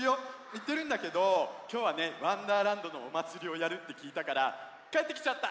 いってるんだけどきょうはね「わんだーらんど」のおまつりをやるってきいたからかえってきちゃった！